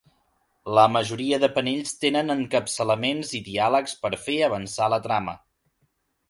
La majoria de panells tenen encapçalaments i diàlegs per fer avançar la trama.